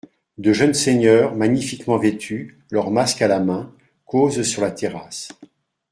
De jeunes seigneurs, magnifiquement vêtus, leurs masques à la main, causent sur la terrasse.